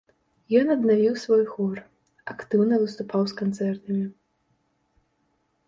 Ён аднавіў свой хор, актыўна выступаў з канцэртамі.